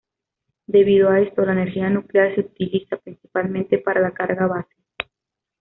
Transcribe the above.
Debido a esto, la energía nuclear se utiliza principalmente para la carga base.